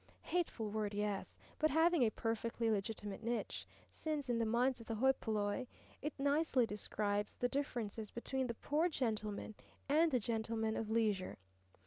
Hateful word, yes, but having a perfectly legitimate niche, since in the minds of the hoi polloi it nicely describes the differences between the poor gentleman and the gentleman of leisure.